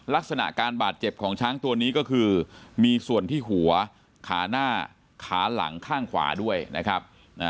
ลักษณะการบาดเจ็บของช้างตัวนี้ก็คือมีส่วนที่หัวขาหน้าขาหลังข้างขวาด้วยนะครับ